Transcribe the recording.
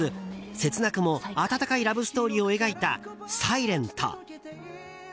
切なくも温かいラブストーリーを描いた「ｓｉｌｅｎｔ」。